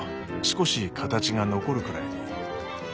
少し形が残るくらいに。